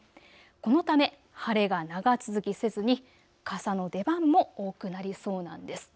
このため晴れが長続きせずに傘の出番も多くなりそうなんです。